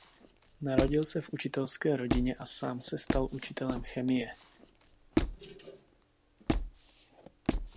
Narodil se v učitelské rodině a sám se stal učitelem chemie.